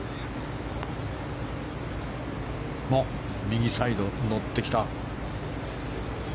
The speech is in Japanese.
右サイド、乗ってきた。